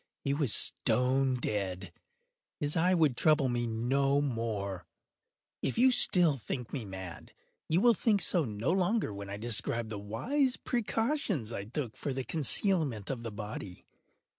He was stone dead. His eye would trouble me no more. If still you think me mad, you will think so no longer when I describe the wise precautions I took for the concealment of the body.